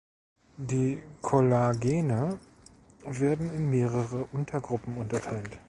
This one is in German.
Die Kollagene werden in mehrere Untergruppen unterteilt.